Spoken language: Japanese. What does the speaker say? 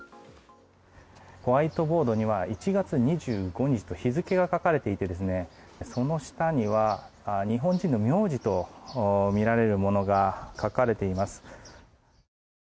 ホワイトボードには１月２５日と日付が書かれていてその下には、日本の名字とみられるものが書かれています。